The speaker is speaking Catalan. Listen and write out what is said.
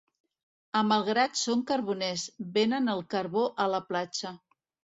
A Malgrat són carboners, venen el carbó a la platja.